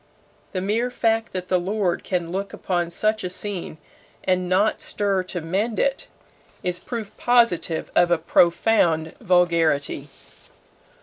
The mere fact that the lord can look upon such a scene and not stir to mend it, is proof positive of a profound vulgarity.